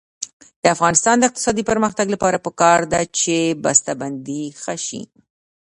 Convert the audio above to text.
د افغانستان د اقتصادي پرمختګ لپاره پکار ده چې بسته بندي ښه شي.